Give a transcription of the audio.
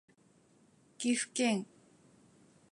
岐阜県各務原市